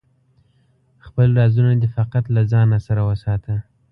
خپل رازونه دی فقط له ځانه سره وساته